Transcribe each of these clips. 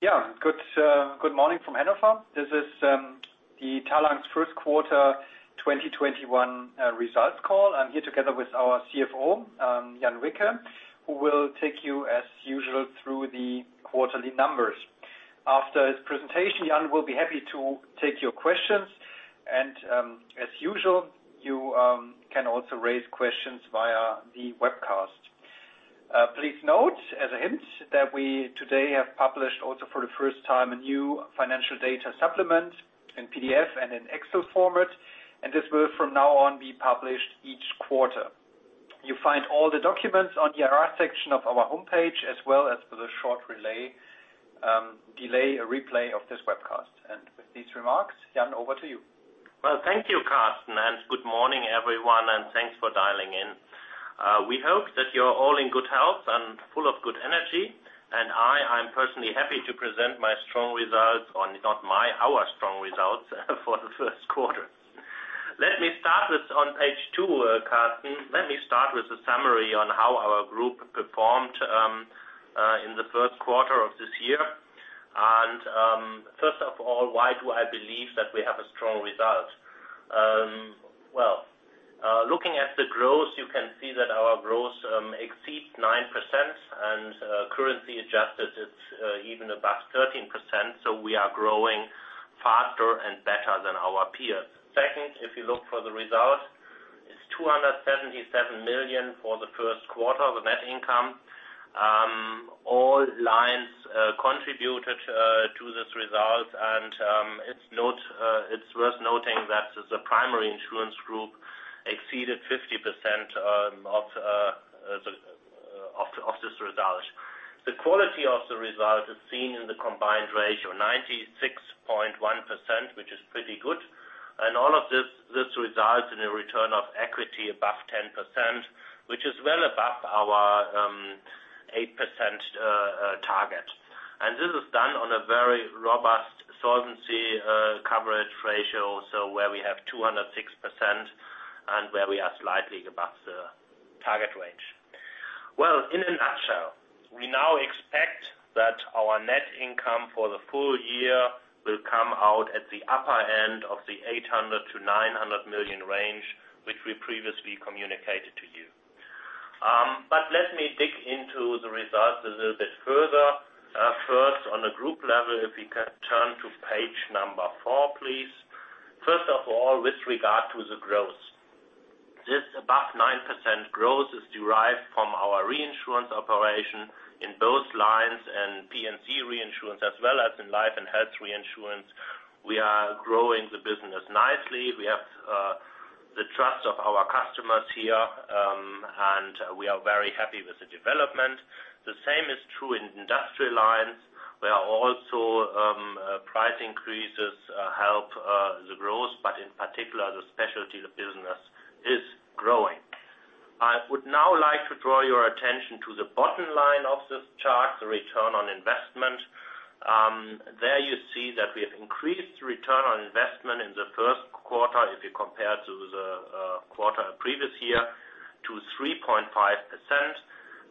Good morning from Hannover. This is the Talanx first quarter 2021 results call. I'm here together with our CFO, Jan Wicke, who will take you, as usual, through the quarterly numbers. After his presentation, Jan will be happy to take your questions. As usual, you can also raise questions via the webcast. Please note, as a hint, that we today have published also for the first time, a new financial data supplement in PDF and in Excel format, and this will from now on, be published each quarter. You find all the documents on the IR section of our homepage, as well as with a short delay, a replay of this webcast. With these remarks, Jan, over to you. Thank you, Carsten, good morning, everyone, thanks for dialing in. We hope that you're all in good health and full of good energy. I am personally happy to present our strong results for the first quarter. Let me start with on page two, Carsten. Let me start with a summary on how our group performed in the first quarter of this year. First of all, why do I believe that we have a strong result? Looking at the growth, you can see that our growth exceeds 9%, and currency adjusted, it's even above 13%. We are growing faster and better than our peers. Second, if you look for the result, it's 277 million for the first quarter of the net income. All lines contributed to this result, and it's worth noting that the Primary Insurance group exceeded 50% of this result. The quality of the result is seen in the combined ratio, 96.1%, which is pretty good. All of this results in a return on equity above 10%, which is well above our 8% target. This is done on a very robust solvency coverage ratio, so where we have 206% and where we are slightly above the target range. Well, in a nutshell, we now expect that our net income for the full year will come out at the upper end of the 800 million-900 million range, which we previously communicated to you. Let me dig into the results a little bit further. First, on a group level, if we can turn to page number four, please. First of all, with regard to the growth. This above 9% growth is derived from our Reinsurance operation in both lines and P&C Reinsurance as well Life and Health Reinsurance. We are growing the business nicely. We have the trust of our customers here, and we are very happy with the development. The same is true in Industrial Lines, where also price increases help the growth, in particular, the specialty of the business is growing. I would now like to draw your attention to the bottom line of this chart, the return on investment. There you see that we have increased return on investment in the first quarter if you compare to the quarter previous year to 3.5%.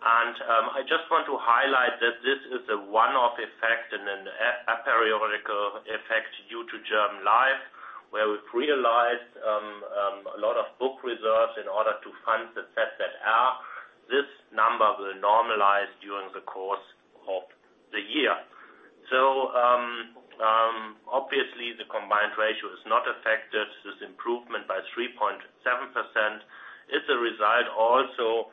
I just want to highlight that this is a one-off effect and an aperiodical effect due to German Life, where we've realized a lot of book reserves in order to fund the ZZR. This number will normalize during the course of the year. Obviously, the combined ratio is not affected. This improvement by 3.7% is a result also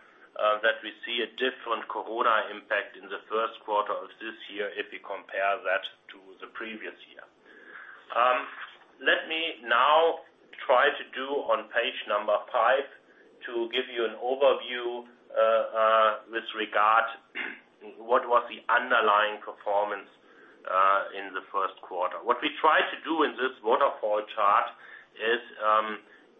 that we see a different Corona impact in the first quarter of this year if we compare that to the previous year. Let me now try to do on page number five to give you an overview, with regard what was the underlying performance in the first quarter. What we try to do in this waterfall chart is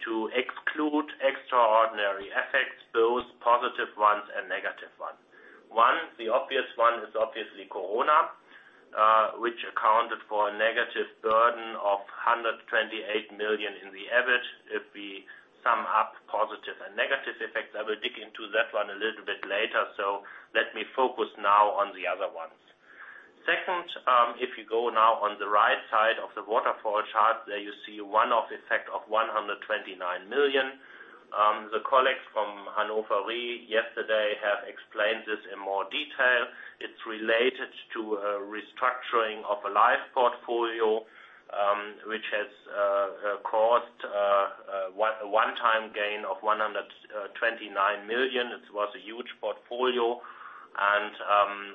to exclude extraordinary effects, both positive ones and negative ones. One, the obvious one is obviously Corona, which accounted for a negative burden of 128 million in the average. If we sum up positive and negative effects, I will dig into that one a little bit later. Let me focus now on the other ones. Second, if you go now on the right side of the waterfall chart, there you see one-off effect of 129 million. The colleagues from Hannover Re yesterday have explained this in more detail. It's related to a restructuring of a life portfolio, which has caused a one-time gain of 129 million. It was a huge portfolio.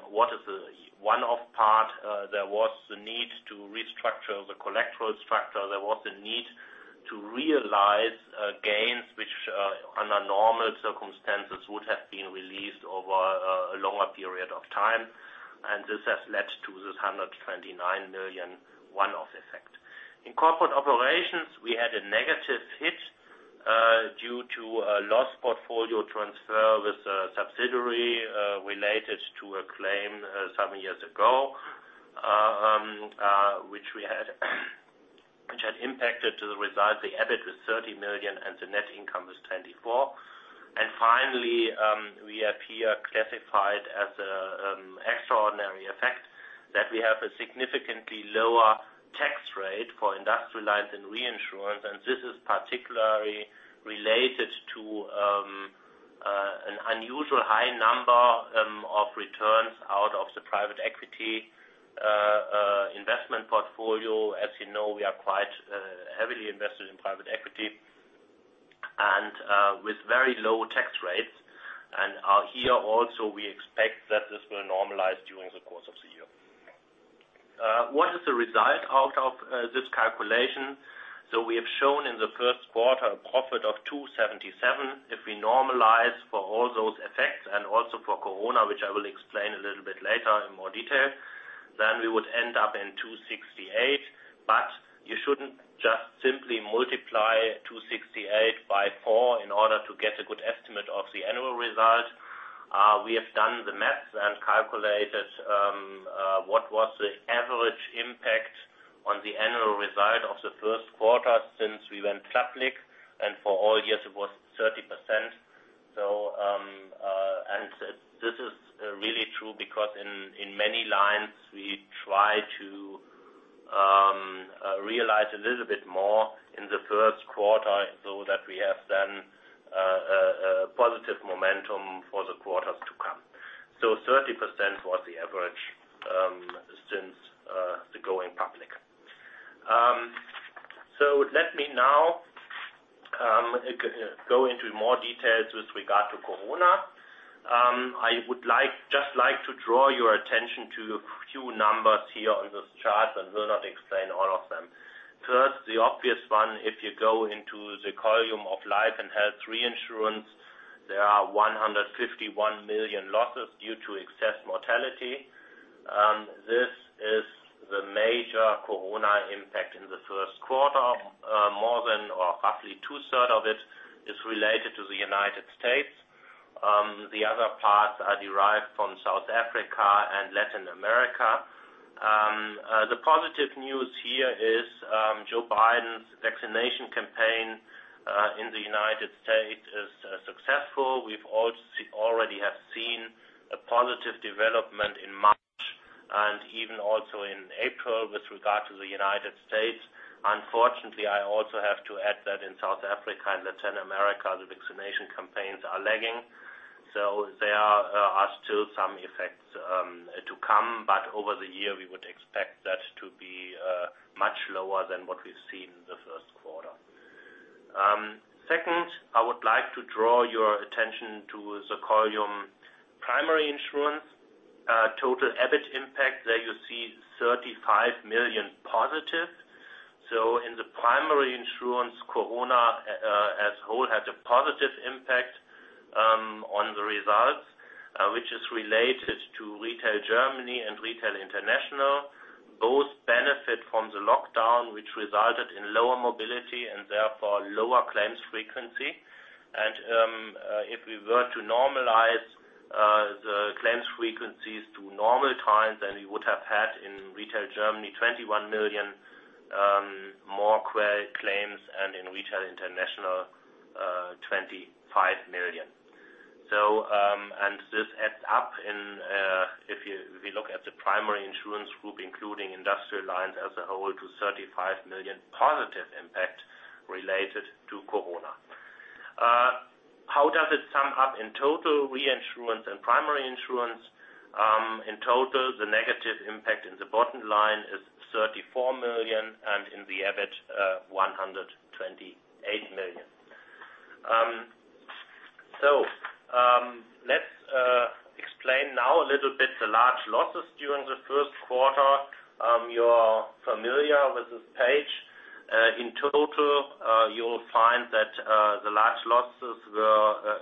What is the one-off part? There was the need to restructure the collateral structure. There was the need to realize gains, which under normal circumstances, would have been released over a longer period of time. This has led to this 129 million one-off effect. In Corporate Operations, we had a negative hit due to a loss portfolio transfer with a subsidiary, related to a claim some years ago, which we had impacted the result, the EBIT was 30 million and the net income was 24 million. Finally, we have here classified as an extraordinary effect that we have a significantly lower tax rate for Industrial Lines and Reinsurance. This is particularly related to an unusual high number of returns out of the private equity investment portfolio. As you know, we are quite heavily invested in private equity and with very low tax rates. Here also, we expect that this will normalize during the course of the year. What is the result out of this calculation? We have shown in the first quarter a profit of 277. If we normalize for all those effects and also for Corona, which I will explain a little bit later in more detail, then we would end up in 268 million. You shouldn't just simply multiply 268 million by four in order to get a good estimate of the annual result. We have done the math and calculated what was the average impact on the annual result of the first quarter since we went public. For all years it was 30%. This is really true because in many lines, we try to realize a little bit more in the first quarter so that we have then a positive momentum for the quarters to come. 30% was the average since the going public. Let me now go into more details with regard to Corona. I would just like to draw your attention to a few numbers here on this chart, and will not explain all of them. First, the obvious one, if you go into the column of Life and Health Reinsurance, there are 151 million losses due to excess mortality. This is the major Corona impact in the first quarter. More than, or roughly 2/3 of it is related to the United States. The other parts are derived from South Africa and Latin America. The positive news here is, Joe Biden's vaccination campaign in the United States is successful. We already have seen a positive development in March and even also in April with regard to the United States. Unfortunately, I also have to add that in South Africa and Latin America, the vaccination campaigns are lagging. There are still some effects to come, but over the year, we would expect that to be much lower than what we've seen in the first quarter. Second, I would like to draw your attention to the column Primary Insurance. Total EBIT impact. There you see 35 million positive. In the Primary Insurance, Corona as whole had a positive impact on the results, which is related to Retail Germany and Retail International. Both benefit from the lockdown, which resulted in lower mobility and therefore lower claims frequency. If we were to normalize the claims frequencies to normal times, we would have had in Retail Germany 21 million more claims and in Retail International, 25 million. This adds up in, if we look at the Primary Insurance group, including Industrial Lines as a whole, to 35 million positive impact related to Corona. How does it sum up in total Reinsurance and Primary Insurance? In total, the negative impact in the bottom line is 34 million, and in the EBIT, 128 million. Let's explain now a little bit the large losses during the first quarter. You're familiar with this page. In total, you will find that the large losses were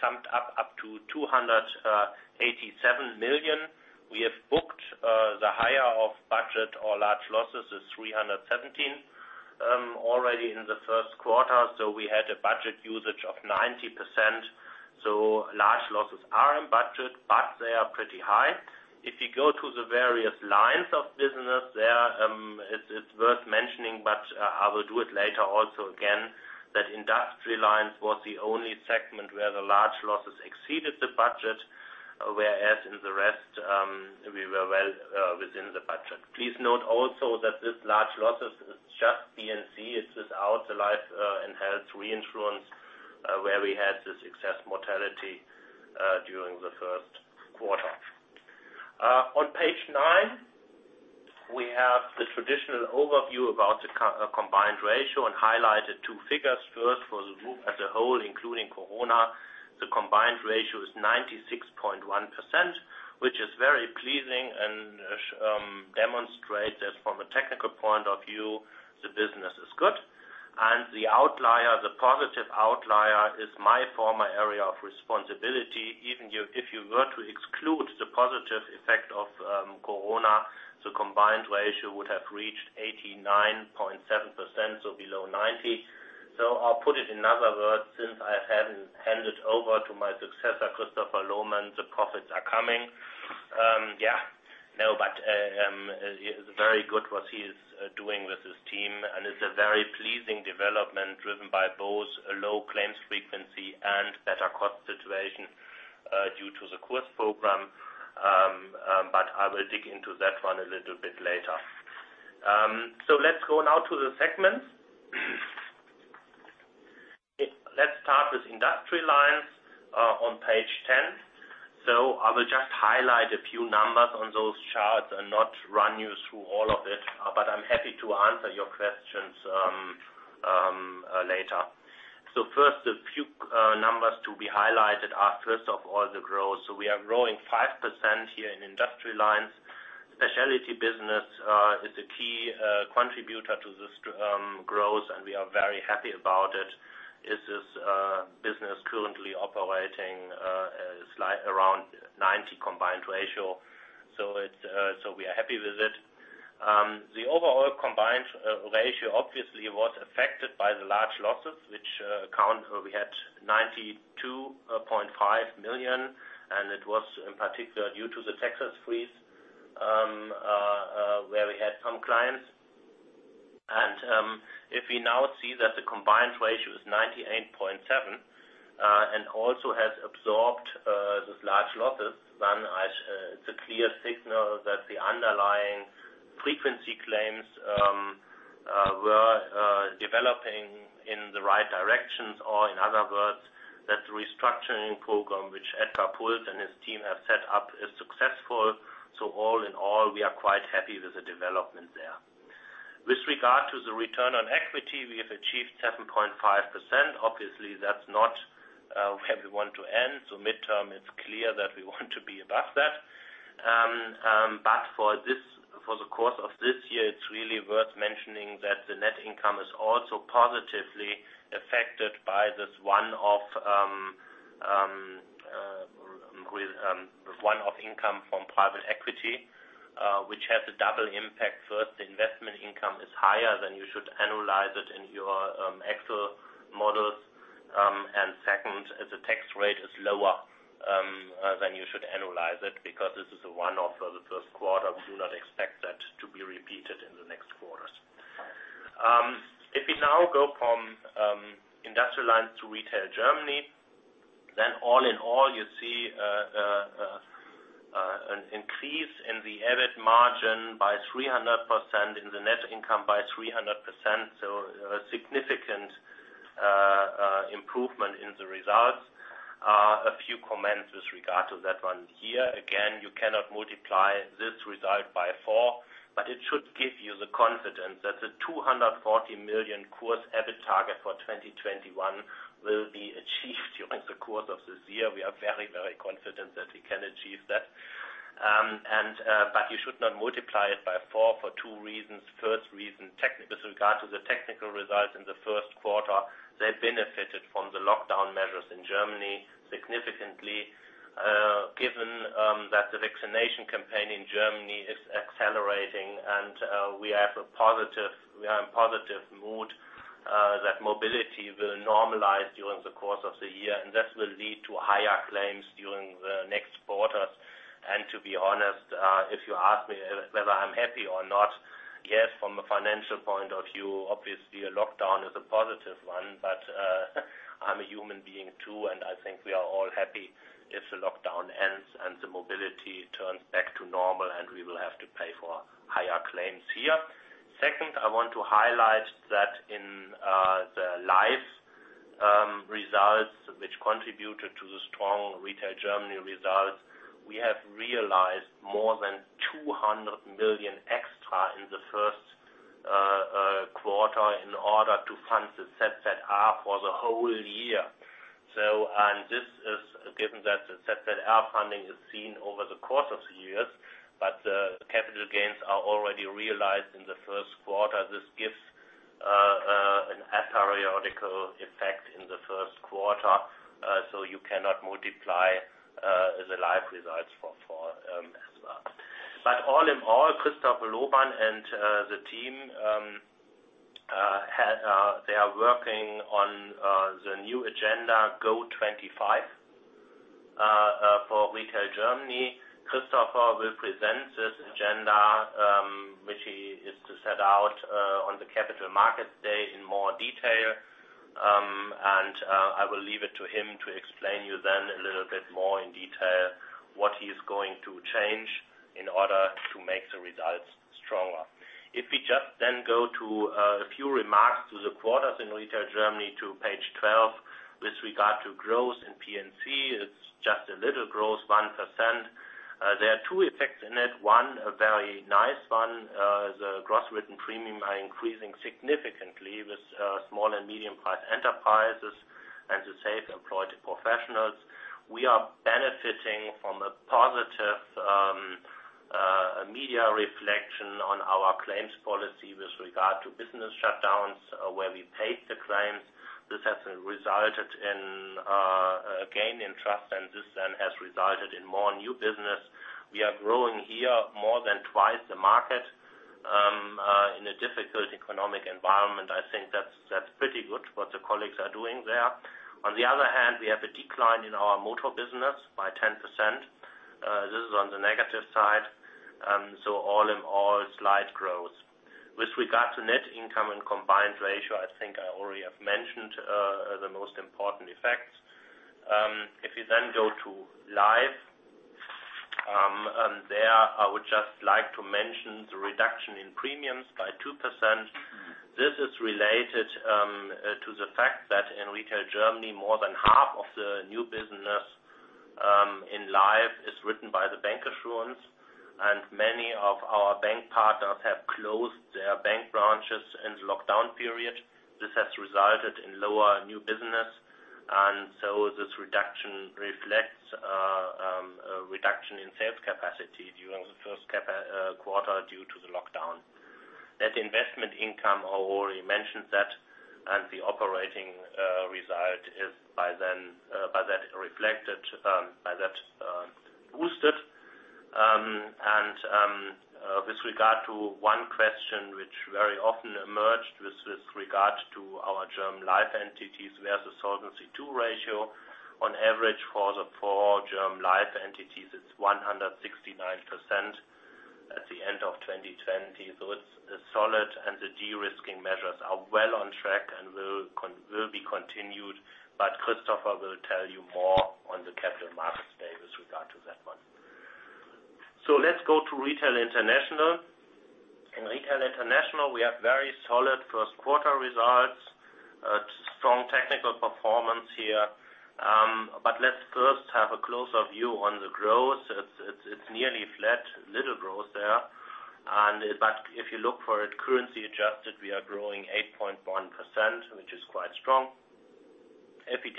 summed up to 287 million. We have booked the higher of budget or large losses is 317 million already in the first quarter. We had a budget usage of 90%. Large losses are in budget, but they are pretty high. If you go to the various lines of business there, it's worth mentioning, but I will do it later also again, that Industrial Lines was the only segment where the large losses exceeded the budget, whereas in the rest, we were well within the budget. Please note also that this large losses is just P&C. It's without Life and Health Reinsurance, where we had the excess mortality during the first quarter. On page nine, we have the traditional overview about the combined ratio and highlighted two figures. First, for the group as a whole, including Corona. The combined ratio is 96.1%, which is very pleasing and demonstrates from a technical point of view, the business is good. The outlier, the positive outlier is my former area of responsibility. Even if you were to exclude the positive effect of Corona, the combined ratio would have reached 89.7%, so below 90%. I'll put it in other words, since I haven't handed over to my successor, Christopher Lohmann, the profits are coming. Yeah. It is very good what he is doing with his team, and it's a very pleasing development, driven by both a low claims frequency and better cost situation due to the KuRS program. I will dig into that one a little bit later. Let's go now to the segments. Let's start with Industrial Lines on page 10. I will just highlight a few numbers on those charts and not run you through all of it, but I am happy to answer your questions later. First, a few numbers to be highlighted are, first of all, the growth. We are growing 5% here in Industrial Lines. Specialty Business is a key contributor to this growth, and we are very happy about it. This is a business currently operating slight around 90% combined ratio. We are happy with it. The overall combined ratio obviously was affected by the large losses, which account, we had 92.5 million, and it was in particular due to the Texas Freeze, where we had some clients. If we now see that the combined ratio is 98.7% and also has absorbed these large losses, then it's a clear signal that the underlying frequency claims were developing in the right directions, or in other words, that the restructuring program, which Edgar Puls and his team have set up, is successful. All in all, we are quite happy with the development there. With regard to the return on equity, we have achieved 7.5%. Obviously, that's not where we want to end. Midterm, it's clear that we want to be above that. For the course of this year, it's really worth mentioning that the net income is also positively affected by this one-off income from private equity, which has a double impact. First, the investment income is higher than you should analyze it in your Excel models. Second, the tax rate is lower than you should analyze it, because this is a one-off for the first quarter. We do not expect that to be repeated in the next quarters. If we now go from Industrial Lines to Retail Germany, all in all, you see an increase in the EBIT margin by 300%, in the net income by 300%, so a significant improvement in the results. A few comments with regard to that one here. You cannot multiply this result by four, but it should give you the confidence that the 240 million KuRS EBIT target for 2021 will be achieved during the course of this year. We are very confident that we can achieve that. You should not multiply it by four for two reasons. First reason, with regard to the technical results in the first quarter, they benefited from the lockdown measures in Germany significantly, given that the vaccination campaign in Germany is accelerating, and we are in positive mood that mobility will normalize during the course of the year, and that will lead to higher claims during the next quarter. To be honest, if you ask me whether I'm happy or not, yes, from a financial point of view, obviously, a lockdown is a positive one. I'm a human being too, and I think we are all happy if the lockdown ends and the mobility turns back to normal, and we will have to pay for higher claims here. Second, I want to highlight that in the Life results, which contributed to the strong Retail Germany results. We have realized more than 200 million extra in the first quarter in order to fund the ZZR for the whole year. This is given that the ZZR funding is seen over the course of years, but the capital gains are already realized in the first quarter. This gives an aperiodical effect in the first quarter. You cannot multiply the Life results for four as well. All in all, Christopher Lohmann and the team, they are working on the new agenda, GO25, for Retail Germany. Christopher will present this agenda, which he is to set out on the Capital Markets Day in more detail. I will leave it to him to explain you then a little bit more in detail what he is going to change in order to make the results stronger. If we just then go to a few remarks to the quarters in Retail Germany to page 12. With regard to growth in P&C, it's just a little growth, 1%. There are two effects in it. One, a very nice one, the gross written premium are increasing significantly with small and medium-sized enterprises and the safe employed professionals. We are benefiting from a positive media reflection on our claims policy with regard to business shutdowns, where we paid the claims. This has resulted in a gain in trust and this then has resulted in more new business. We are growing here more than twice the market. In a difficult economic environment, I think that's pretty good what the colleagues are doing there. On the other hand, we have a decline in our Motor Business by 10%. This is on the negative side. All in all, slight growth. With regard to net income and combined ratio, I think I already have mentioned the most important effects. We then go to Life. There, I would just like to mention the reduction in premiums by 2%. This is related to the fact that in Retail Germany, more than half of the new business in Life is written by the bancassurance, many of our bank partners have closed their bank branches in the lockdown period. This has resulted in lower new business, this reduction reflects a reduction in sales capacity during the first quarter due to the lockdown. Net investment income, I already mentioned that, the operating result is by that boosted. With regard to one question, which very often emerged with regard to our German Life entities, we have the Solvency II ratio. On average, for the four German Life entities, it's 169% at the end of 2020. It's solid, and the de-risking measures are well on track and will be continued. Christopher will tell you more on the Capital Markets Day with regard to that one. Let's go to Retail International. In Retail International, we have very solid first quarter results. Strong technical performance here. Let's first have a closer view on the growth. It's nearly flat, little growth there. If you look for it currency adjusted, we are growing 8.1%, which is quite strong. If you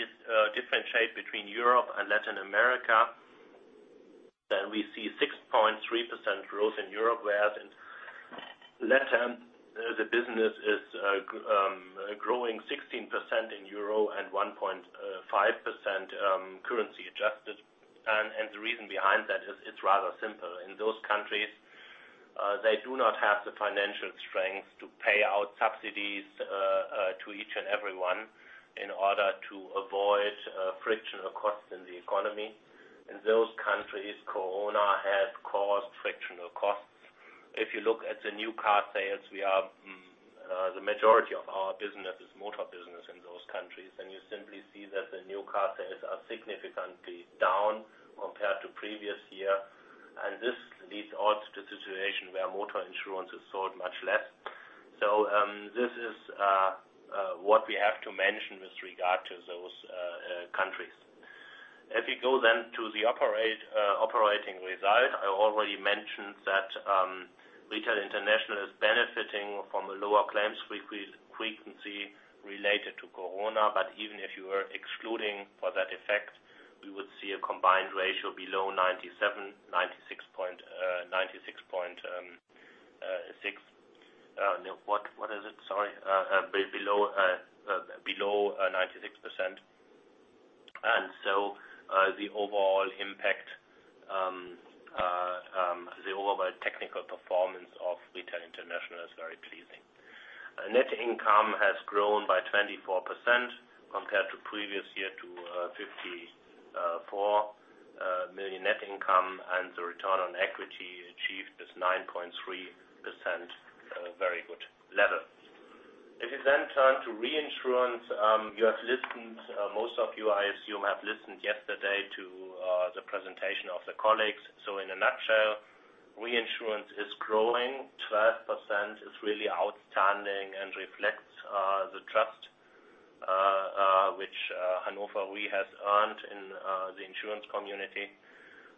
differentiate between Europe and Latin America, we see 6.3% growth in Europe, whereas in LatAm, the business is growing 16% in EUR and 1.5% currency adjusted. The reason behind that is rather simple. In those countries, they do not have the financial strength to pay out subsidies to each and everyone in order to avoid frictional costs in the economy. In those countries, Corona has caused frictional costs. If you look at the new car sales, the majority of our business is Motor Business in those countries, and you simply see that the new car sales are significantly down compared to previous year. This leads on to the situation where motor insurance is sold much less. This is what we have to mention with regard to those countries. If we go then to the operating result, I already mentioned that Retail International is benefiting from a lower claims frequency related to Corona. Even if you were excluding for that effect, we would see a combined ratio below 96.6. What is it? Sorry. Below 96%. The overall technical performance of Retail International is very pleasing. Net income has grown by 24% compared to previous year to 54 million net income. The return on equity achieved is 9.3%, a very good level. If we turn to Reinsurance. Most of you, I assume, have listened yesterday to the presentation of the colleagues. In a nutshell, Reinsurance is growing. 12% is really outstanding and reflects the trust which Hannover Re has earned in the insurance community.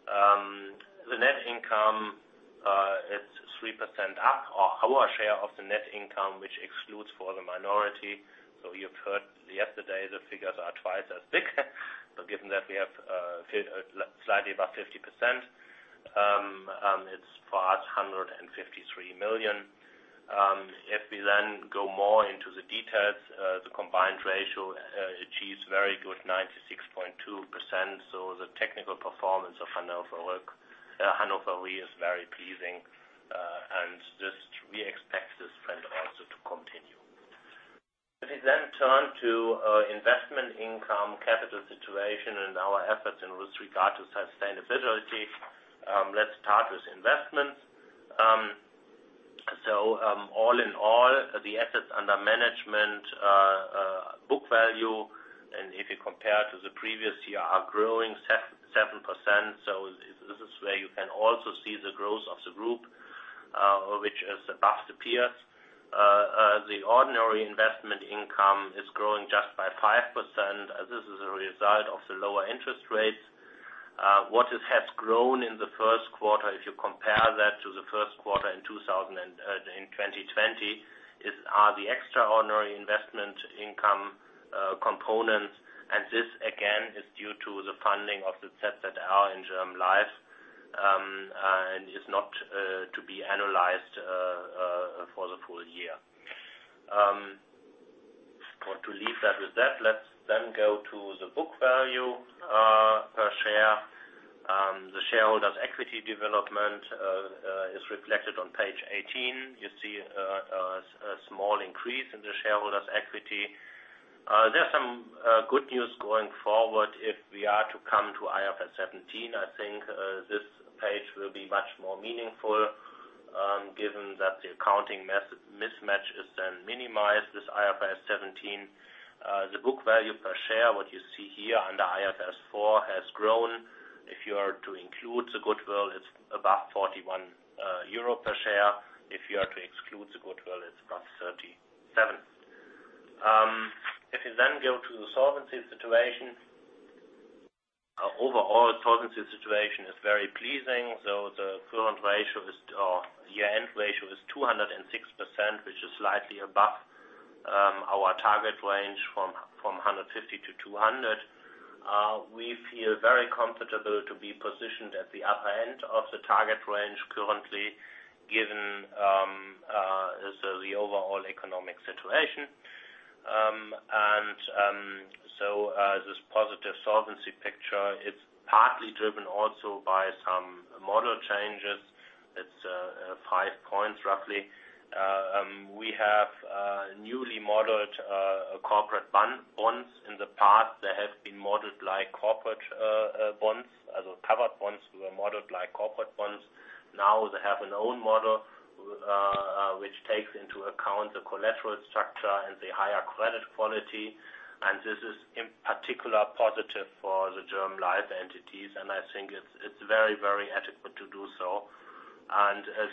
The net income is 3% up. Our share of the net income, which excludes for the minority. You've heard yesterday, the figures are twice as big. Given that we have slightly above 50% is for us 153 million. If we go more into the details, the combined ratio achieves very good 96.2%. The technical performance of Hannover Re is very pleasing. We expect this trend also to continue. We turn to investment income, capital situation, and our efforts in this regard to sustainability. Let's start with investments. All in all, the assets under management book value, and if you compare to the previous year, are growing 7%. This is where you can also see the growth of the group, which is above the peers. The ordinary investment income is growing just by 5%. This is a result of the lower interest rates. What has grown in the first quarter, if you compare that to the first quarter in 2020, are the extraordinary investment income components. This, again, is due to the funding of the ZZR in German Life, and is not to be analyzed for the full year. To leave that with that, let's go to the book value per share. The shareholders' equity development is reflected on page 18. You see a small increase in the shareholders' equity. There's some good news going forward if we are to come to IFRS 17. I think this page will be much more meaningful, given that the accounting mismatch is then minimized, this IFRS 17. The book value per share, what you see here under IFRS 4, has grown. If you are to include the goodwill, it's above 41 euro per share. If you are to exclude the goodwill, it's above 37. If you go to the solvency situation. Overall solvency situation is very pleasing. The current ratio or year-end ratio is 206%, which is slightly above our target range from 150%-200%. We feel very comfortable to be positioned at the upper end of the target range currently, given the overall economic situation. This positive solvency picture, it's partly driven also by some model changes. It's five points roughly. We have newly modeled corporate bonds. In the past, they have been modeled like corporate bonds. Those covered bonds were modeled like corporate bonds. Now they have an own model, which takes into account the collateral structure and the higher credit quality. This is in particular positive for the term life entities. I think it's very adequate to do so.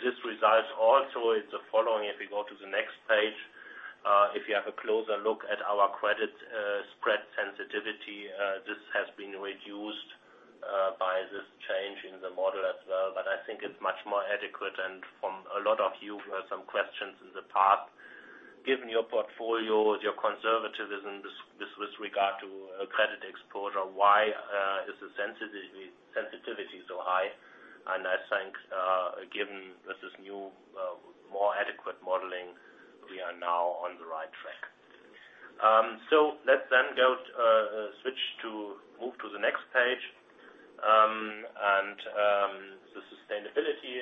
This results also in the following, if we go to the next page. If you have a closer look at our credit spread sensitivity, this has been reduced by this change in the model as well. I think it's much more adequate. From a lot of you who had some questions in the past, given your portfolio, your conservatism with regard to credit exposure, why is the sensitivity so high? I think, given this new, more adequate modeling, we are now on the right track. Let's move to the next page. The sustainability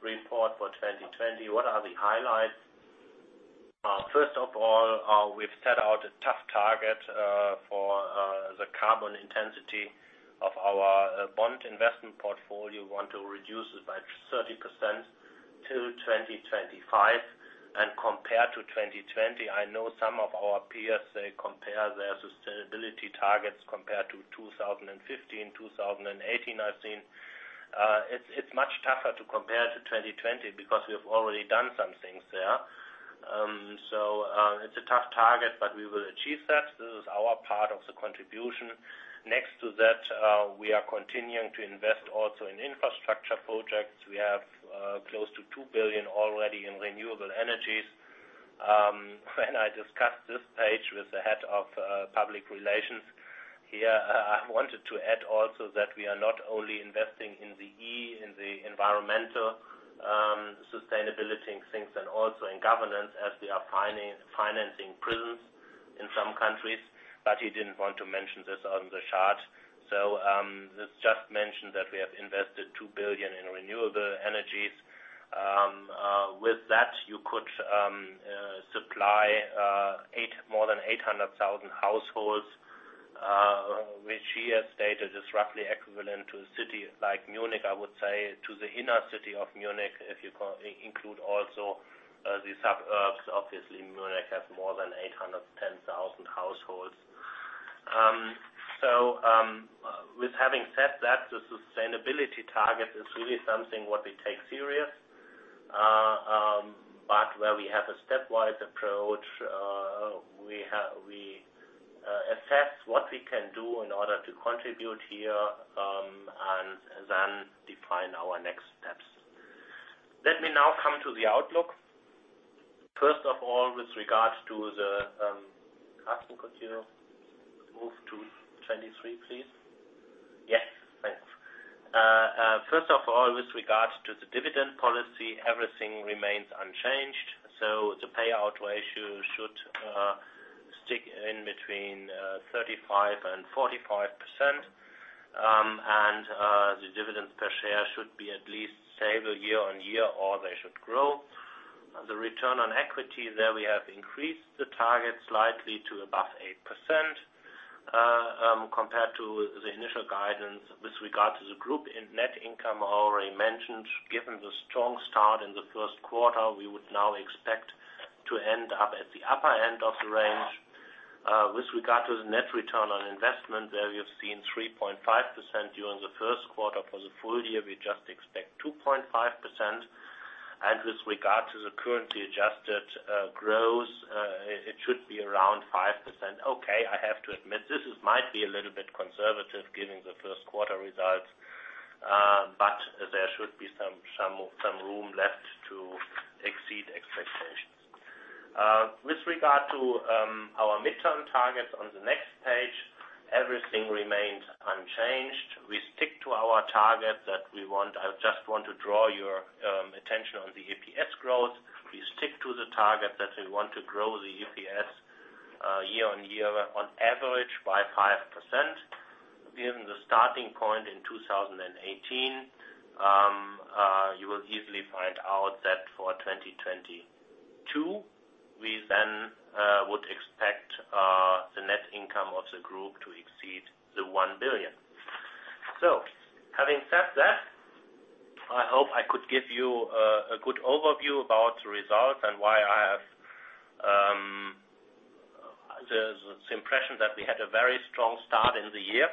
report for 2020. What are the highlights? First of all, we've set out a tough target for the carbon intensity of our bond investment portfolio. We want to reduce it by 30% till 2025. Compared to 2020, I know some of our peers, they compare their sustainability targets compared to 2015, 2018, I've seen. It's much tougher to compare to 2020 because we have already done some things there. It's a tough target, but we will achieve that. This is our part of the contribution. Next to that, we are continuing to invest also in infrastructure projects. We have close to 2 billion already in renewable energies. When I discussed this page with the head of public relations here, I wanted to add also that we are not only investing in the E, in the environmental sustainability things and also in governance as we are financing prisons in some countries, but he did not want to mention this on the chart. Let's just mention that we have invested 2 billion in renewable energies. With that, you could supply more than 800,000 households, which he has stated is roughly equivalent to a city like Munich, I would say, to the inner city of Munich, if you include also the suburbs. Obviously, Munich has more than 810,000 households. With having said that, the sustainability target is really something what we take seriously, but where we have a stepwise approach. We assess what we can do in order to contribute here, and then define our next steps. Let me now come to the outlook. First of all, Carsten, could you move to 23, please? Yes, thanks. First of all, with regards to the dividend policy, everything remains unchanged. The payout ratio should stick in between 35% and 45%. The dividends per share should be at least stable year-over-year, or they should grow. The return on equity, there we have increased the target slightly to above 8%, compared to the initial guidance with regard to the group. In net income, I already mentioned, given the strong start in the first quarter, we would now expect to end up at the upper end of the range. With regard to the net return on investment, there we have seen 3.5% during the first quarter. For the full year, we just expect 2.5%. With regard to the currency adjusted growth, it should be around 5%. Okay, I have to admit, this might be a little bit conservative given the first quarter results. There should be some room left to exceed expectations. With regard to our midterm targets on the next page, everything remains unchanged. We stick to our target. I just want to draw your attention on the EPS growth. We stick to the target that we want to grow the EPS year-on-year on average by 5%. Given the starting point in 2018, you will easily find out that for 2022, we then would expect the net income of the group to exceed the 1 billion. Having said that, I hope I could give you a good overview about the results and why I have the impression that we had a very strong start in the year,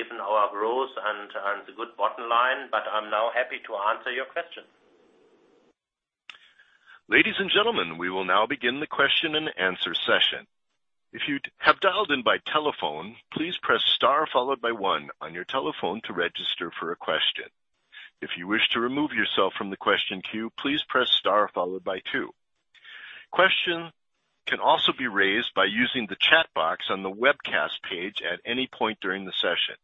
given our growth and the good bottom line. I'm now happy to answer your questions. Ladies and gentlemen, we will now begin the question and answer session. If you have dialed in by telephone, please press star followed by one on your telephone to register for a question. If you wish to remove yourself from the question queue, please press star followed by two. Questions can also be raised by using the chat box on the webcast page at any point during the session.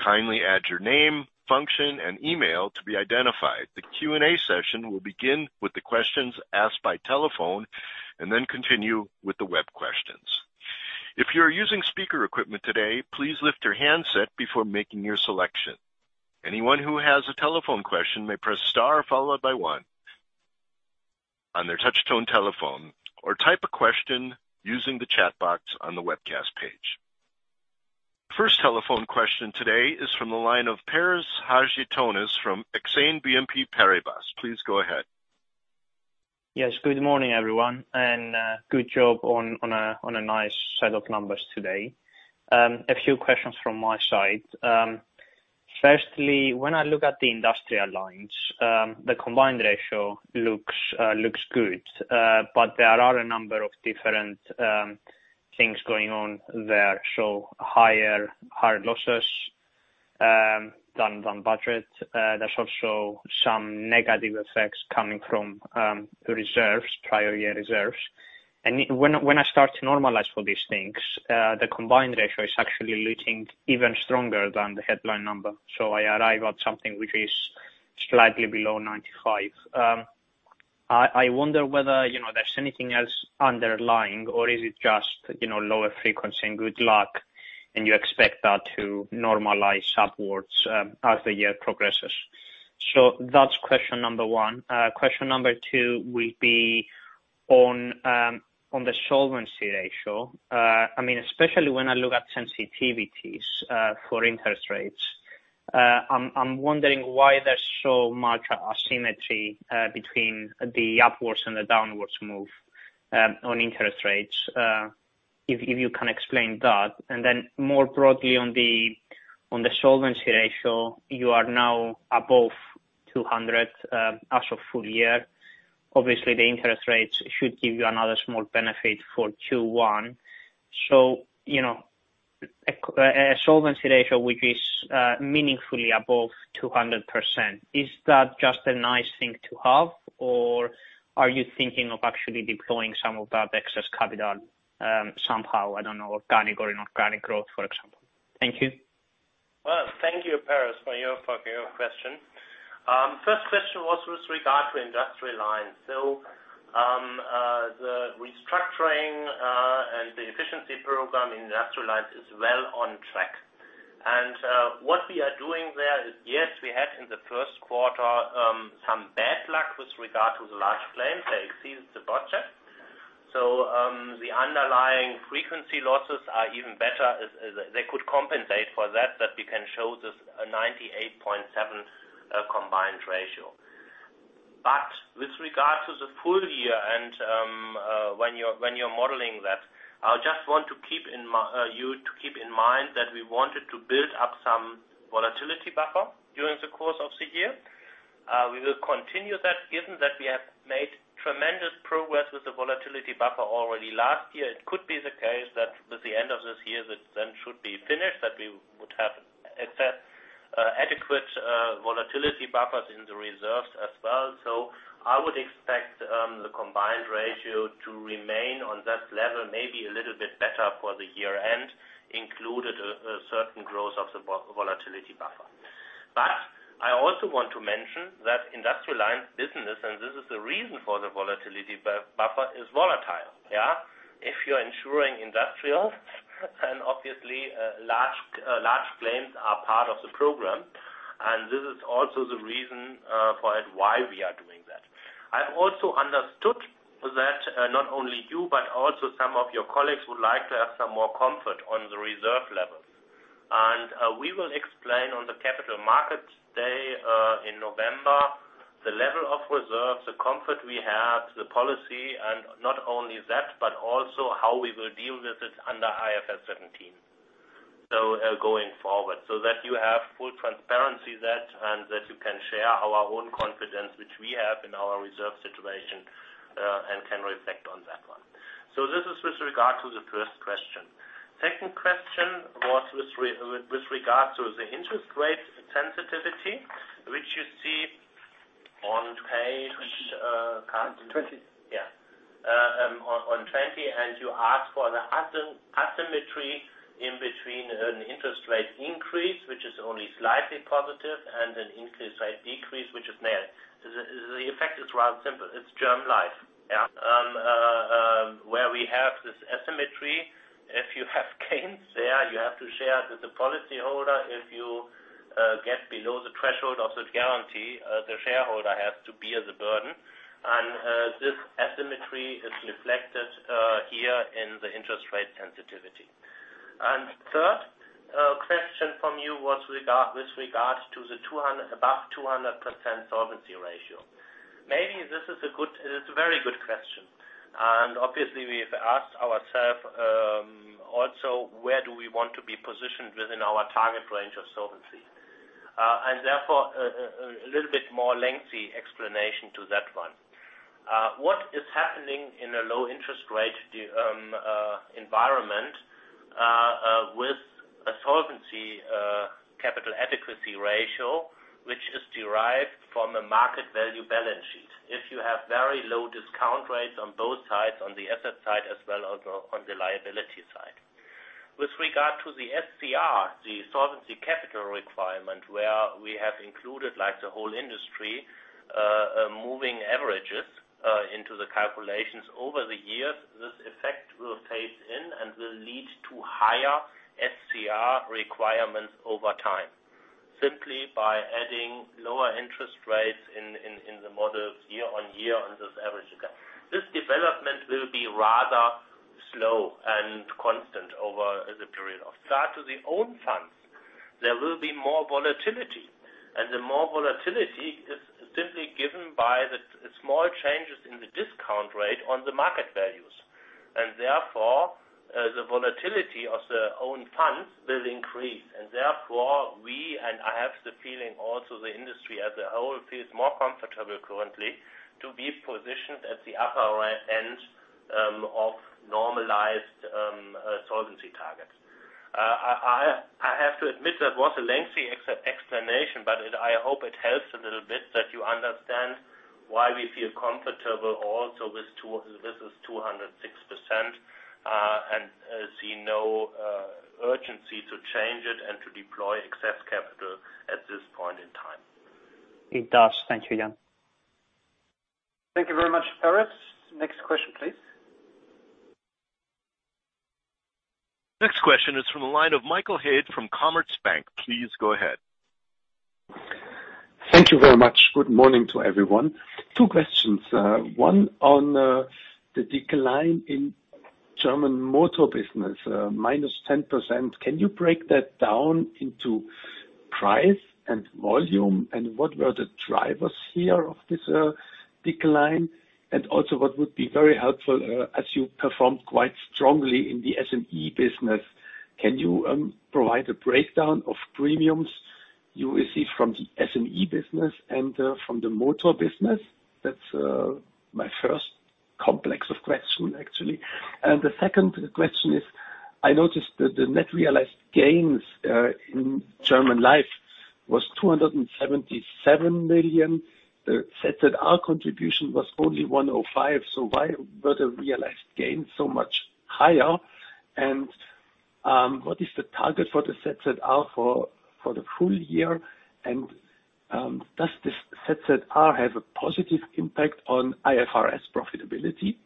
Kindly add your name, function, and email to be identified. The Q&A session will begin with the questions asked by telephone and then continue with the web questions. If you are using speaker equipment today, please lift your handset before making your selection. Anyone who has a telephone question may press star followed by one on their touchtone telephone, or type a question using the chat box on the webcast page. First telephone question today is from the line of Paris Hadjiantonis from Exane BNP Paribas. Please go ahead. Yes. Good morning, everyone, and good job on a nice set of numbers today. A few questions from my side. Firstly, when I look at the Industrial Lines, the combined ratio looks good. There are a number of different things going on there. Higher losses than budget. There's also some negative effects coming from the reserves, prior year reserves. When I start to normalize for these things, the combined ratio is actually looking even stronger than the headline number. I arrive at something which is slightly below 95%. I wonder whether there's anything else underlying or is it just lower frequency and good luck, and you expect that to normalize upwards as the year progresses. That's question number one. Question number two will be on the solvency ratio. Especially when I look at sensitivities for interest rates. I'm wondering why there's so much asymmetry between the upwards and the downwards move on interest rates. If you can explain that. More broadly on the Solvency ratio, you are now above 200% as of full year. Obviously, the interest rates should give you another small benefit for Q1. A Solvency ratio which is meaningfully above 200%. Is that just a nice thing to have, or are you thinking of actually deploying some of that excess capital somehow? I don't know, organic or inorganic growth, for example. Thank you. Well, thank you, Paris, for your question. First question was with regard to Industrial Lines. The restructuring, and the efficiency program in Industrial Lines is well on track. What we are doing there is, yes, we had in the first quarter, some bad luck with regard to the large claims. They exceeded the budget. The underlying frequency losses are even better. They could compensate for that we can show this 98.7% combined ratio. With regard to the full year and when you're modeling that, I just want you to keep in mind that we wanted to build up some volatility buffer during the course of the year. We will continue that, given that we have made tremendous progress with the volatility buffer already last year. It could be the case that with the end of this year, that then should be finished, that we would have adequate volatility buffers in the reserves as well. I would expect the combined ratio to remain on that level, maybe a little bit better for the year-end, included a certain growth of the volatility buffer. I also want to mention that Industrial Lines business, and this is the reason for the volatility buffer, is volatile. Yeah. If you're insuring industrials, then obviously, large claims are part of the program, and this is also the reason for it, why we are doing that. I've also understood that not only you, but also some of your colleagues would like to have some more comfort on the reserve levels. We will explain on the Capital Markets Day in November the level of reserves, the comfort we have, the policy, and not only that, but also how we will deal with it under IFRS 17 going forward. So that you have full transparency there, and that you can share our own confidence, which we have in our reserve situation, and can reflect on that one. This is with regard to the first question. Second question was with regard to the interest rate sensitivity, which you see on page- 20. On 20, you ask for the asymmetry in between an interest rate increase, which is only slightly positive, and an interest rate decrease, which is negative. The effect is rather simple. It's German Life. Yeah. Where we have this asymmetry, if you have gains there, you have to share with the policyholder. If you get below the threshold of that guarantee, the shareholder has to bear the burden. This asymmetry is reflected here in the interest rate sensitivity. Third question from you was with regards to the above 200% solvency ratio. Maybe this is a very good question. Obviously, we've asked ourself also, where do we want to be positioned within our target range of solvency? Therefore, a little bit more lengthy explanation to that one. What is happening in a low interest rate environment with a solvency capital adequacy ratio, which is derived from a market value balance sheet. If you have very low discount rates on both sides, on the asset side as well on the liability side. With regard to the SCR, the Solvency Capital Requirement, where we have included, like the whole industry, moving averages into the calculations over the years, this effect will phase in and will lead to higher SCR requirements over time. Simply by adding lower interest rates in the models year-on-year on this average. This development will be rather slow and constant over the period. With regard to the Own Funds, there will be more volatility. The more volatility is simply given by the small changes in the discount rate on the market values. Therefore, the volatility of the Own Funds will increase. Therefore, we, and I have the feeling also the industry as a whole, feels more comfortable currently to be positioned at the upper end of normalized solvency targets. I have to admit, that was a lengthy explanation, but I hope it helps a little bit that you understand why we feel comfortable also with this 206%, and see no urgency to change it and to deploy excess capital at this point in time. It does. Thank you, Jan. Thank you very much, Paris. Next question, please. Next question is from the line of Michael Haid from Commerzbank. Please go ahead. Thank you very much. Good morning to everyone. Two questions. One on the decline in German Motor Business, minus 10%. Can you break that down into price and volume? What were the drivers here of this decline? Also, what would be very helpful, as you performed quite strongly in the SME business, can you provide a breakdown of premiums you receive from the SME business and from the Motor Business? That's my first complex of question, actually. The second question is, I noticed that the net realized gains in German Life was 277 million. The ZZR contribution was only 105, why were the realized gains so much higher? What is the target for the ZZR for the full year? Does this ZZR have a positive impact on IFRS profitability?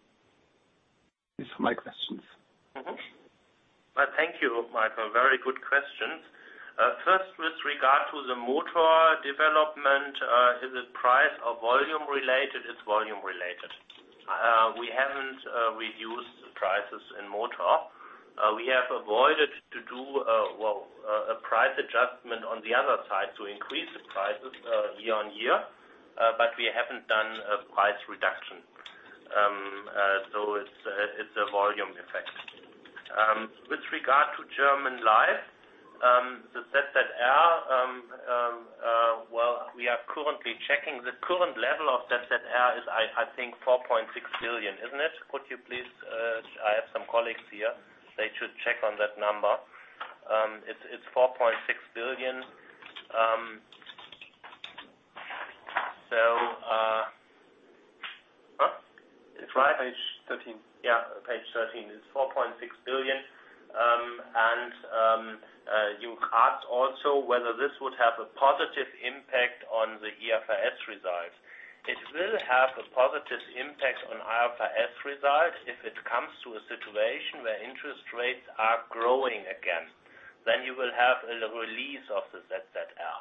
These are my questions. Thank you, Michael. Very good questions. First, with regard to the motor development, is it price or volume related? It's volume related. We haven't reduced prices in motor. We have avoided to do, well, a price adjustment on the other side to increase the prices year on year. We haven't done a price reduction. It's a volume effect. With regard to German Life, the ZZR, well, we are currently checking. The current level of ZZR is, I think, 4.6 billion, isn't it? I have some colleagues here. They should check on that number. It's EUR 4.6 billion. Huh? It's right? Page 13. Yeah, page 13. It's 4.6 billion. You asked also whether this would have a positive impact on the IFRS results. It will have a positive impact on IFRS results if it comes to a situation where interest rates are growing again. You will have a release of the ZZR.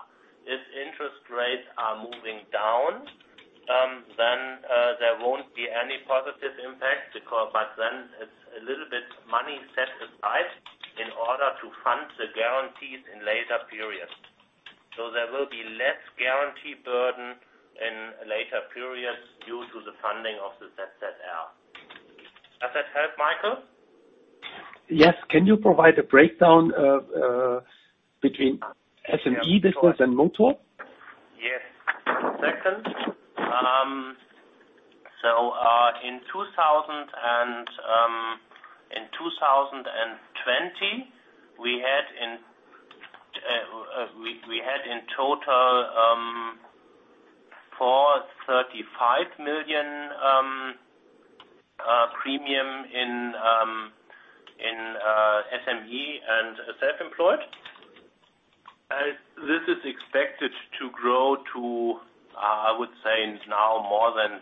If interest rates are moving down, then there won't be any positive impact. It's a little bit money set aside in order to fund the guarantees in later periods. There will be less guarantee burden in later periods due to the funding of the ZZR. Does that help, Michael? Yes. Can you provide a breakdown between SME business and Motor? Second, in 2020, we had in total EUR 435 million premium in SME and self-employed. This is expected to grow to, I would say, now more than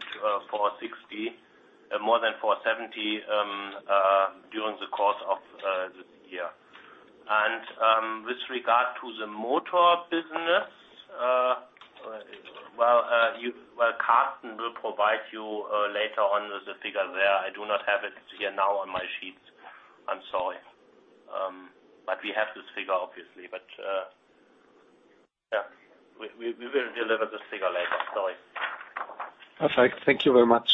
470 million during the course of this year. With regard to the Motor Business, well, Carsten will provide you later on with the figure there. I do not have it here now on my sheets. I'm sorry. We have this figure, obviously. Yeah, we will deliver this figure later. Sorry. That's all right. Thank you very much.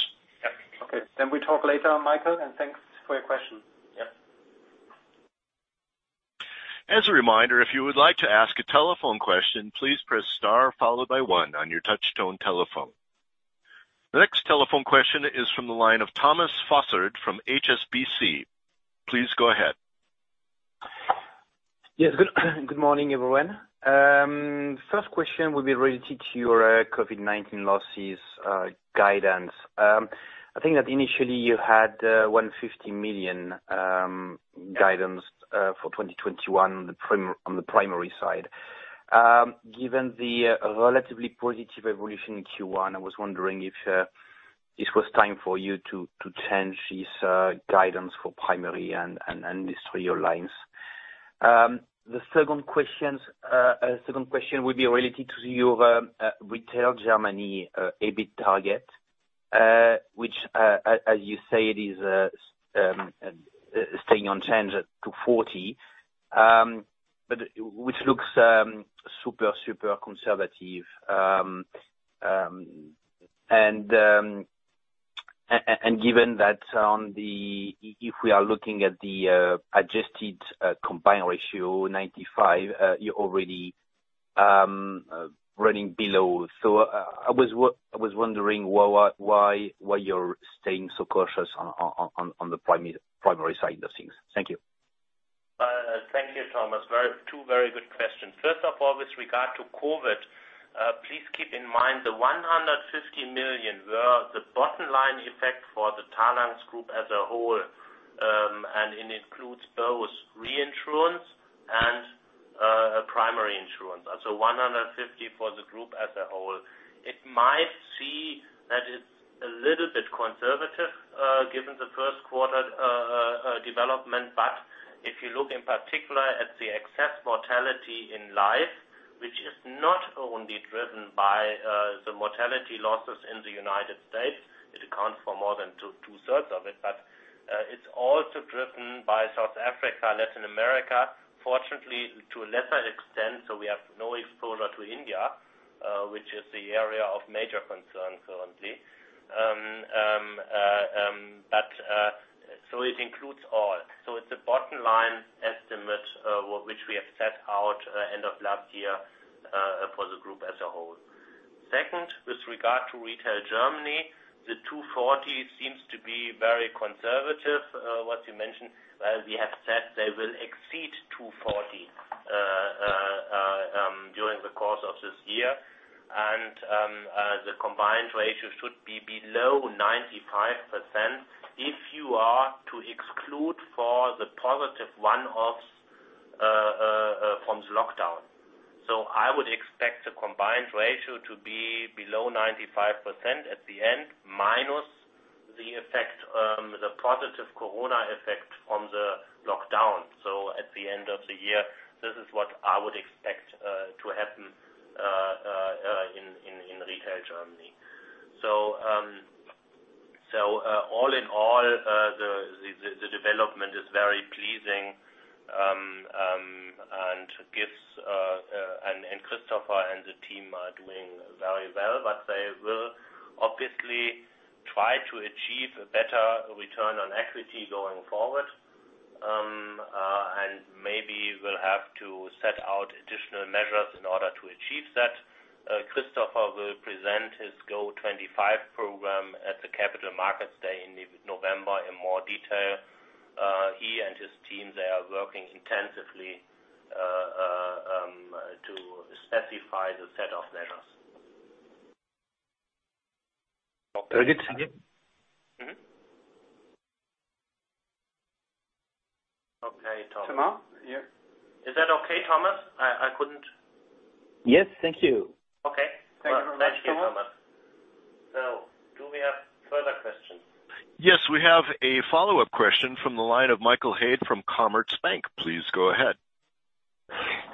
Yeah. Okay. Can we talk later, Michael, and thanks for your question. Yep. As a reminder, if you would like to ask a telephone question, please press star followed by one on your touchtone telephone. The next telephone question is from the line of Thomas Fossard from HSBC. Please go ahead. Yes. Good morning, everyone. First question will be related to your COVID-19 losses guidance. I think that initially you had 150 million guidance for 2021 on the primary side. Given the relatively positive evolution in Q1, I was wondering if this was time for you to change this guidance for Primary and Industrial Lines. The second question would be related to your Retail Germany EBIT target, which, as you say, it is staying unchanged at 240 million. Which looks super conservative. Given that if we are looking at the adjusted combined ratio, 95%, you're already running below. I was wondering why you're staying so cautious on the Primary side of things. Thank you. Thank you, Thomas. Two very good questions. First of all, with regard to COVID, please keep in mind the 150 million were the bottom line effect for the Talanx Group as a whole. It includes both Reinsurance and Primary Insurance. 150 million for the group as a whole. It might seem that it's a little bit conservative given the first quarter development. If you look in particular at the excess mortality in Life, which is not only driven by the mortality losses in the United States, it accounts for more than 2/3 of it. It's also driven by South Africa, Latin America. Fortunately, to a lesser extent, so we have no exposure to India, which is the area of major concern currently. It includes all. It's a bottom-line estimate, which we have set out end of last year, for the group as a whole. Second, with regard to Retail Germany, the 240 million seems to be very conservative, what you mentioned. Well, we have said they will exceed 240 million during the course of this year. The combined ratio should be below 95% if you are to exclude for the positive one-offs from the lockdown. I would expect the combined ratio to be below 95% at the end, minus the positive Corona effect from the lockdown. At the end of the year, this is what I would expect to happen in Retail Germany. All in all, the development is very pleasing. Christopher and the team are doing very well. They will obviously try to achieve a better return on equity going forward. Maybe we'll have to set out additional measures in order to achieve that. Christopher will present his GO25 program at the Capital Markets Day in November in more detail. He and his team, they are working intensively to specify the set of measures. Heard it? Mm-hmm. Okay, Thomas. Thomas, yeah. Is that okay, Thomas? I couldn't. Yes. Thank you. Okay. Thank you very much, Thomas. Thank you, Thomas. Do we have further questions? Yes, we have a follow-up question from the line of Michael Haid from Commerzbank. Please go ahead.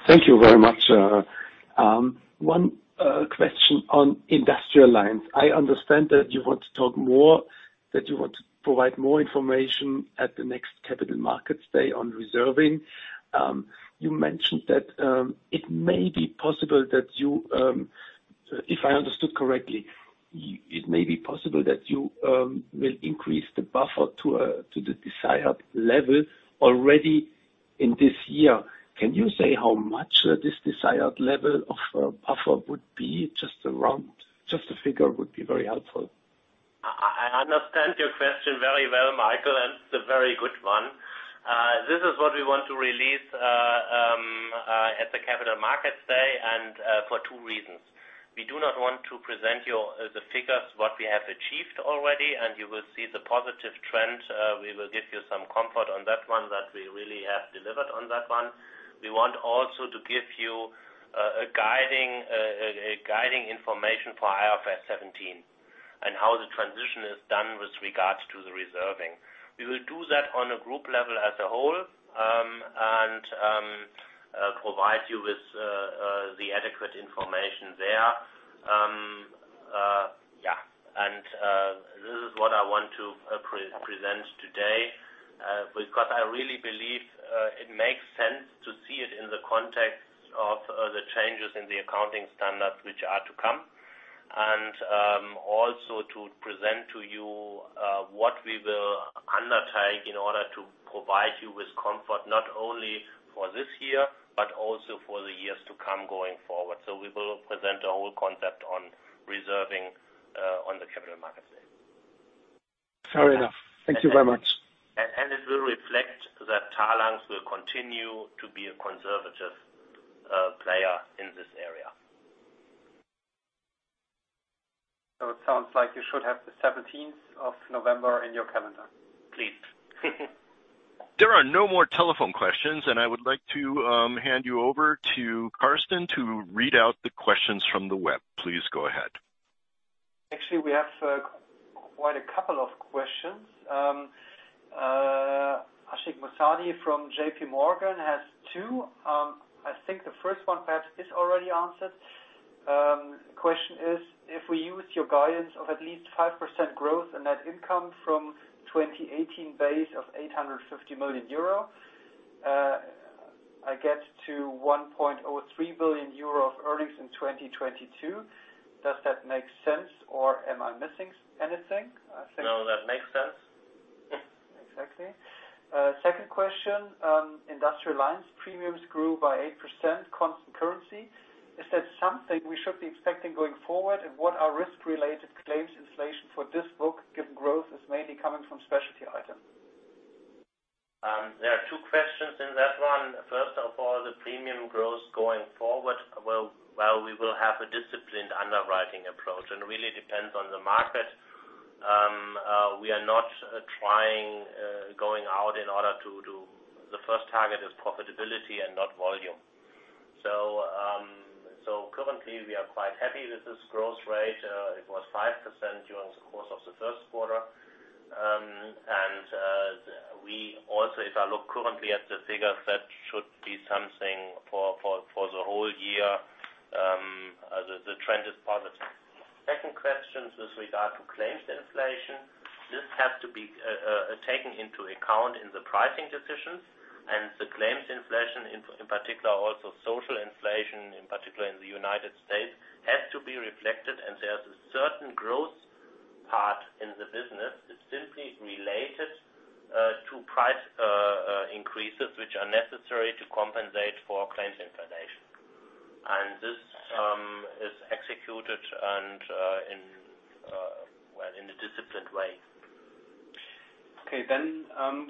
Thank you very much. One question on Industrial Lines. I understand that you want to provide more information at the next Capital Markets Day on reserving. You mentioned that it may be possible that you, if I understood correctly, it may be possible that you will increase the buffer to the desired level already in this year, can you say how much this desired level of buffer would be, just around? Just a figure would be very helpful. I understand your question very well, Michael, and it's a very good one. This is what we want to release at the Capital Markets Day, and for two reasons. We do not want to present you the figures, what we have achieved already, and you will see the positive trend. We will give you some comfort on that one that we really have delivered on that one. We want also to give you a guiding information for IFRS 17, and how the transition is done with regards to the reserving. We will do that on a group level as a whole, and provide you with the adequate information there. This is what I want to present today. I really believe it makes sense to see it in the context of the changes in the accounting standards which are to come. Also to present to you what we will undertake in order to provide you with comfort, not only for this year, but also for the years to come going forward. We will present a whole concept on reserving on the Capital Markets Day. Fair enough. Thank you very much. It will reflect that Talanx will continue to be a conservative player in this area. It sounds like you should have the 17th of November in your calendar. Please. There are no more telephone questions, and I would like to hand you over to Carsten to read out the questions from the web. Please go ahead. Actually, we have quite a couple of questions. Ashik Musaddi from JPMorgan has two. I think the first one perhaps is already answered. Question is, if we use your guidance of at least 5% growth and net income from 2018 base of 850 million euro, I get to 1.03 billion euro of earnings in 2022. Does that make sense, or am I missing anything? No, that makes sense. Exactly. Second question. Industrial Lines premiums grew by 8% constant currency. Is that something we should be expecting going forward, and what are risk-related claims inflation for this book, given growth is mainly coming from specialty items? There are two questions in that one. First of all, the premium growth going forward, while we will have a disciplined underwriting approach, really depends on the market. We are not trying, going out in order to do. The first target is profitability and not volume. Currently we are quite happy with this growth rate. It was 5% during the course of the first quarter. We also, if I look currently at the figures, that should be something for the whole year. The trend is positive. Second question with regard to claims inflation. This has to be taken into account in the pricing decisions and the claims inflation in particular, also social inflation, in particular in the United States, has to be reflected. There is a certain growth part in the business. It is simply related to price increases, which are necessary to compensate for claims inflation. This is executed and in a disciplined way. Okay,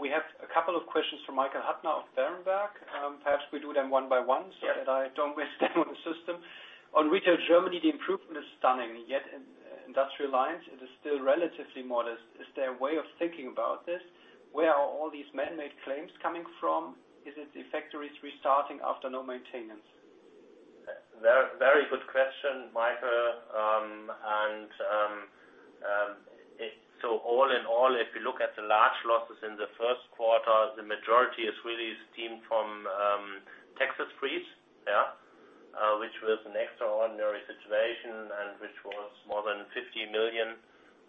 we have a couple of questions from Michael Huttner of Berenberg. Perhaps we do them one by one. Yeah That I don't waste time on the system. On Retail Germany, the improvement is stunning, yet in Industrial Lines, it is still relatively modest. Is there a way of thinking about this? Where are all these manmade claims coming from? Is it the factories restarting after no maintenance? Very good question, Michael. All in all, if you look at the large losses in the first quarter, the majority is really stemmed from Texas Freeze, yeah, which was an extraordinary situation and which was more than 50 million,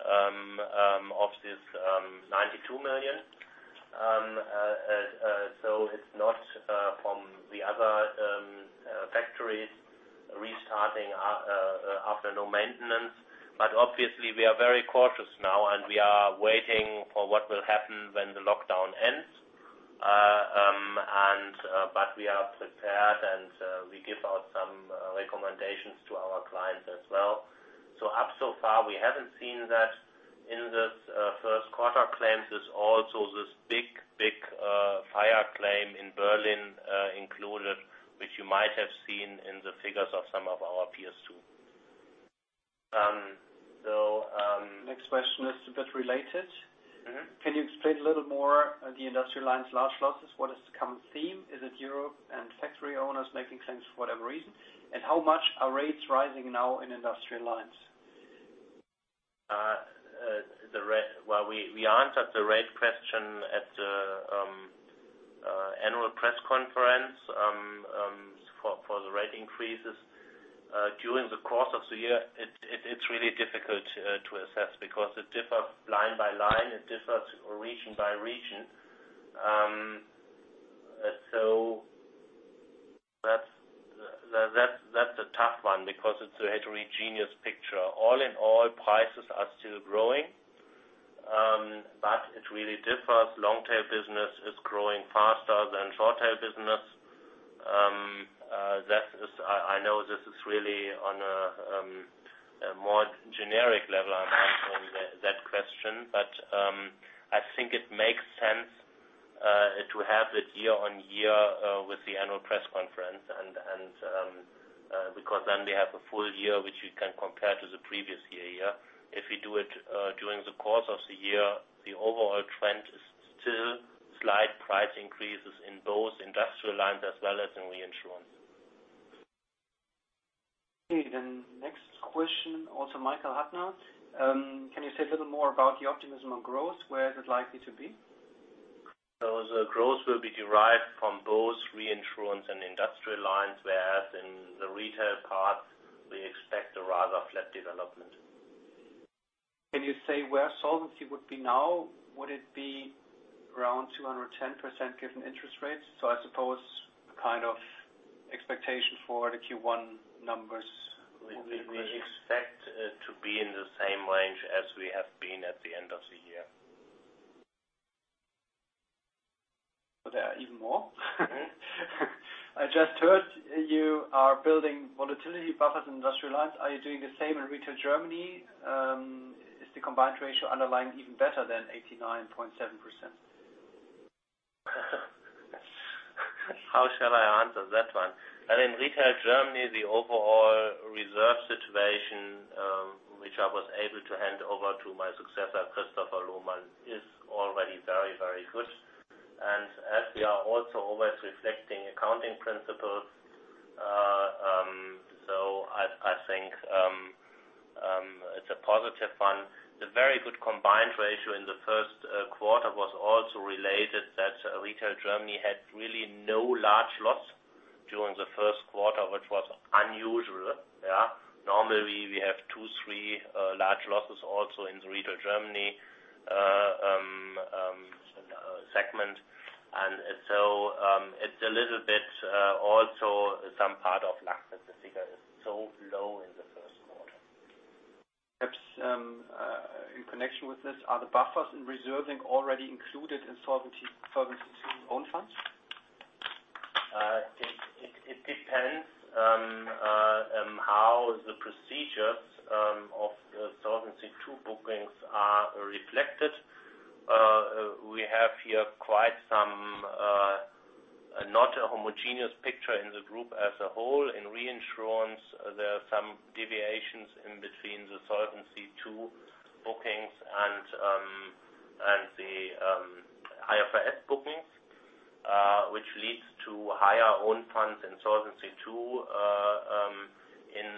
of this, 92 million. It's not from the other factories restarting after no maintenance. Obviously we are very cautious now, and we are waiting for what will happen when the lockdown ends. We are prepared, and we give out some recommendations to our clients as well. Up so far, we haven't seen that in the first quarter claims. There's also this big fire claim in Berlin included, which you might have seen in the figures of some of our peers, too. Next question is a bit related. Can you explain a little more the Industrial Lines large losses, what is the common theme? Is it Europe and factory owners making claims for whatever reason? How much are rates rising now in Industrial Lines? Well, we answered the rate question at the annual press conference, for the rate increases. During the course of the year, it's really difficult to assess because it differs line-by-line, it differs region-by-region. That's a tough one because it's a heterogeneous picture. All in all, prices are still growing, but it really differs. Long-tail business is growing faster than short-tail business. I know this is really on a more generic level I'm answering that question, but I think it makes sense to have it year-on-year with the annual press conference. Because then we have a full year, which you can compare to the previous year. If we do it, during the course of the year, the overall trend is still slight price increases in both Industrial Lines as well as in Reinsurance. Okay. Next question, also Michael Huttner. Can you say a little more about the optimism on growth? Where is it likely to be? The growth will be derived from both Reinsurance and Industrial Lines, whereas in the Retail part, we expect a rather flat development. Can you say where Solvency would be now? Would it be around 210% given interest rates? I suppose a kind of expectation for the Q1 numbers. We expect it to be in the same range as we have been at the end of the year. There are even more. I just heard you are building volatility buffers in Industrial Lines. Are you doing the same in Retail Germany? Is the combined ratio underlying even better than 89.7%? How shall I answer that one? In Retail Germany, the overall reserve situation, which I was able to hand over to my successor, Christopher Lohmann, is already very good. As we are also always reflecting accounting principles, I think, it's a positive one. The very good combined ratio in the first quarter was also related that Retail Germany had really no large loss during the first quarter, which was unusual. Normally we have two, three large losses also in the Retail Germany segment. It's a little bit, also some part of luck that the figure is so low in the first quarter. Perhaps, in connection with this, are the buffers in reserving already included in Solvency Own Funds? It depends how the procedures of Solvency II bookings are reflected. We have here quite some, not a homogeneous picture in the group as a whole. In Reinsurance, there are some deviations in between the Solvency II bookings and the IFRS bookings, which leads to higher Own Funds in Solvency II. In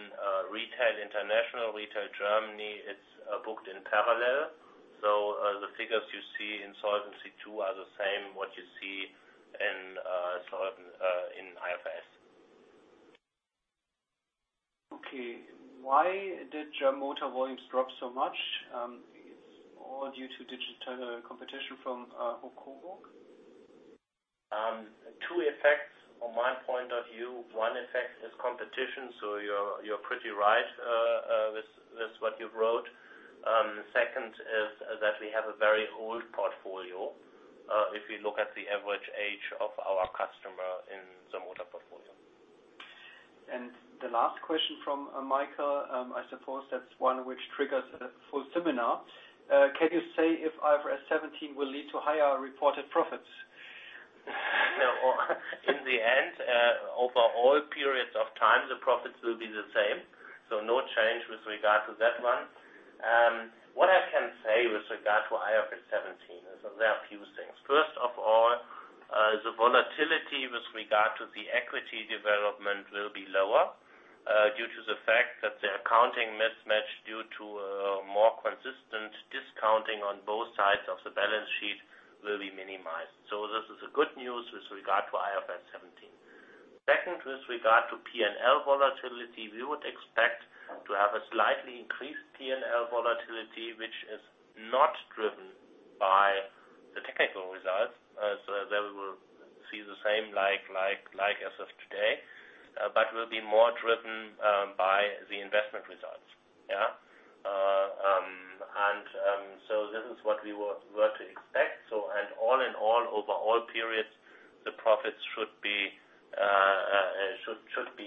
Retail International, Retail Germany, it's booked in parallel. The figures you see in Solvency II are the same, what you see in IFRS. Okay. Why did your motor volumes drop so much? It's all due to digital competition from HUK-COBURG? Two effects from my point of view. One effect is competition. You're pretty right with what you've wrote. Second is that we have a very old portfolio, if you look at the average age of our customer in the Motor portfolio. The last question from Michael, I suppose that's one which triggers a full seminar. Can you say if IFRS 17 will lead to higher reported profits? In the end, over all periods of time, the profits will be the same. No change with regard to that one. What I can say with regard to IFRS 17 is there are a few things. First of all, the volatility with regard to the equity development will be lower, due to the fact that the accounting mismatch due to a more consistent discounting on both sides of the balance sheet will be minimized. This is a good news with regard to IFRS 17. Second, with regard to P&L volatility, we would expect to have a slightly increased P&L volatility, which is not driven by the technical results. There we will see the same like as of today, but will be more driven by the investment results. Yeah. This is what we were to expect. All in all, over all periods, the profits should be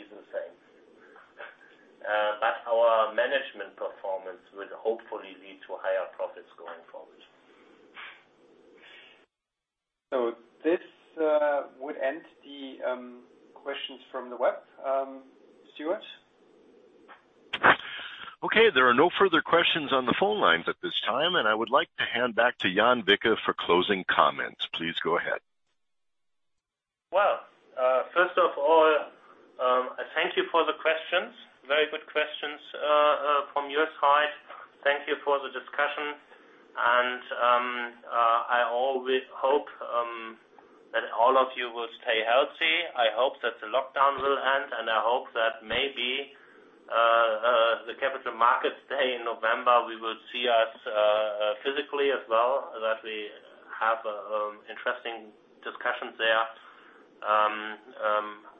the same. Our management performance will hopefully lead to higher profits going forward. This would end the questions from the web. Stuart? Okay, there are no further questions on the phone lines at this time. I would like to hand back to Jan Wicke for closing comments. Please go ahead. Well, first of all, thank you for the questions. Very good questions from your side. Thank you for the discussion. I always hope that all of you will stay healthy. I hope that the lockdown will end, and I hope that maybe, the Capital Markets Day in November, we will see us physically as well, and that we have interesting discussions there.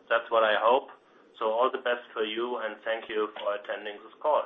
That's what I hope. All the best for you, and thank you for attending this call.